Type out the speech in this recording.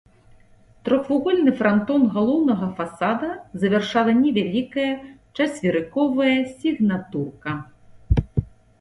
Трохвугольны франтон галоўнага фасада завяршала невялікая чацверыковая сігнатурка.